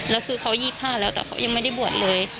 แล้วคือเขา๒๕แล้วแต่เขายังไม่ได้บวชเลย